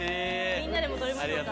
みんなでも撮りましょうか。